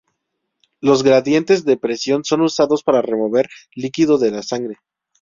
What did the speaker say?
Los gradientes de presión son usados para remover líquido de la sangre.